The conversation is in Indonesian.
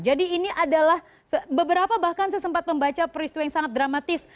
jadi ini adalah beberapa bahkan sesempat membaca peristiwa yang sangat dramatis